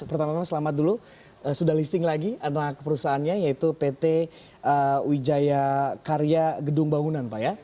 pertama tama selamat dulu sudah listing lagi anak perusahaannya yaitu pt wijaya karya gedung bangunan pak ya